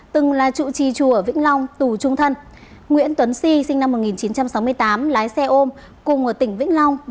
từng là trụ trì chùa ở vĩnh long tù trung thân nguyễn tuấn si sinh năm một nghìn chín trăm sáu mươi tám lái xe ôm cùng ở tỉnh vĩnh long